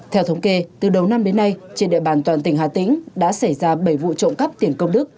theo thống kê từ đầu năm đến nay trên địa bàn toàn tỉnh hà tĩnh đã xảy ra bảy vụ trộm cắp tiền công đức